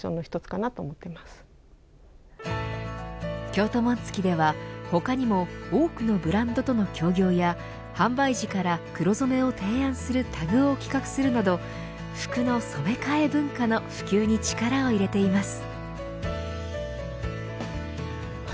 京都紋付では他にも多くのブランドとの協業や販売時から黒染めを提案するタグを企画するなど服の染め替え文化の普及に力を入れています。